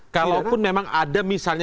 kalaupun memang ada misalnya